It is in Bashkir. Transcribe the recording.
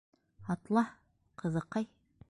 Атла, ҡыҙыҡай!